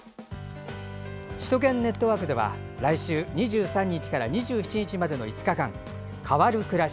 「首都圏ネットワーク」では来週２３日から２７日までの５日間変わるくらし